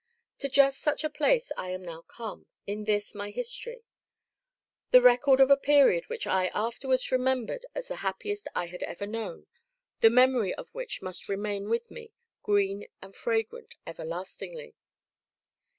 To just such a place am I now come, in this, my history; the record of a period which I, afterwards, remembered as the happiest I had ever known, the memory of which must remain with me, green and fragrant everlastingly.